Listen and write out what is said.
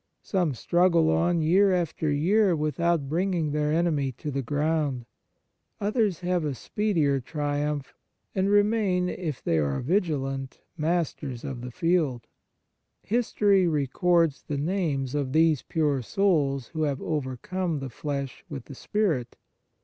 Some struggle on year after year without bringing their enemy to the ground ; others have a speedier triumph, and remain, if they are vigilant, masters of the field. History records the names of these pure souls who have overcome the flesh with the spirit.